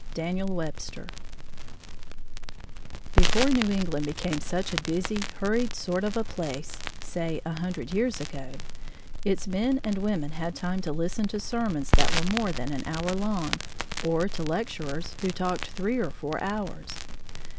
DANIEL WEBSTER Before New England became such a busy, hurried sort of a place say a hundred years ago its men and women had time to listen to sermons that were more than an hour long, or to lecturers who talked three or four hours.